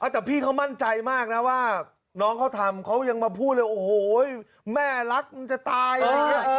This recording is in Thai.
แต่พี่เขามั่นใจมากนะว่าน้องเขาทำเขายังมาพูดเลยโอ้โหแม่รักมันจะตายอะไรอย่างนี้